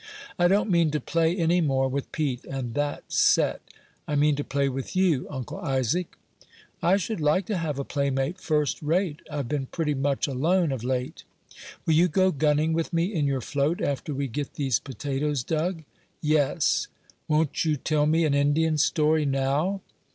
"I don't mean to play any more with Pete, and that set; I mean to play with you, Uncle Isaac." "I should like to have a playmate first rate; I've been pretty much alone of late." "Will you go gunning with me in your float, after we get these potatoes dug?" "Yes." "Won't you tell me an Indian story now?"